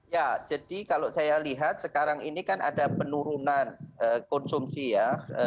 ya jadi kalau saya lihat sekarang ini kan ada penurunan konsumsi ya